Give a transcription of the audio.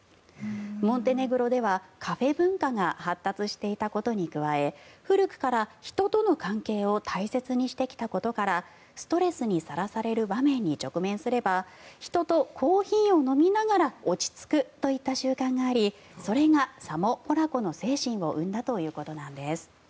モンテネグロではカフェ文化が発達していたことに加え古くから人との関係を大切にしてきたことからストレスにさらされる場面に直面すれば人とコーヒーを飲みながら落ち着くといった習慣がありそれがサモ・ポラコの精神を生んだということなんです。